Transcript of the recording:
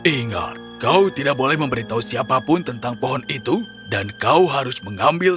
ingat kau tidak boleh memberitahu siapapun tentang pohon itu dan kau harus mengambil